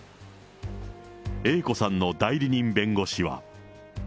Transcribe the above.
Ａ子さんの代理人弁護士は。